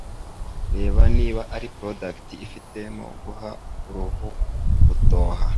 reba niba ari product ifitemo guha uruhu gutoha